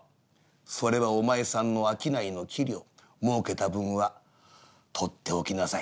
「それはお前さんの商いの器量儲けた分は取っておきなさい」。